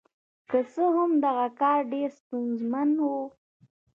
که څه هم دغه کار ډېر ستونزمن و.